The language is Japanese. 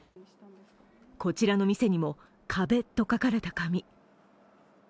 こちらの店にも「壁」と書かれた紙。